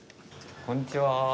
こんにちは。